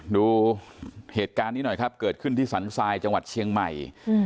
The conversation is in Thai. ดูเหตุการณ์นี้หน่อยครับเกิดขึ้นที่สรรทรายจังหวัดเชียงใหม่